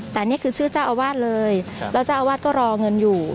แต่นี่คือชื่อเจ้าอาวาสเลยแล้วเจ้าอาวาสก็รอเงินอยู่